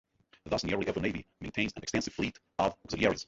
Thus, nearly every navy maintains an extensive fleet of auxiliaries.